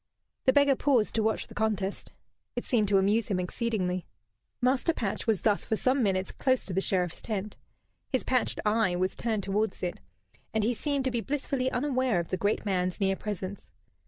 The beggar paused to watch the contest. It seemed to amuse him exceedingly. Master Patch was thus for some minutes close to the Sheriff's tent. His patched eye was turned towards it, and he seemed to be blissfully unaware of the great man's near presence.